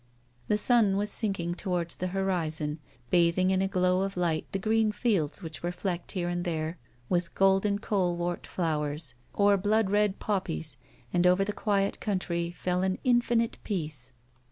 The sun was sinking towards the horizon, bathing in a glow of light the green fields which were flecked here and there with golden colewort flowers or blood red poppies, and over the quiet country fell an infinite peace.